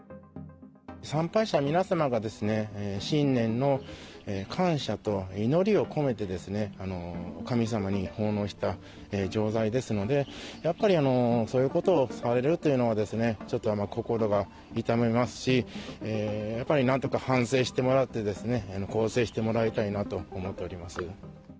参拝者皆様がですね、新年の感謝と祈りを込めて、神様に奉納した浄財ですので、やっぱりそういうことをされるというのは、ちょっと心が痛みますし、やっぱりなんとか反省してもらってですね、更生してもらいたいなと思っております。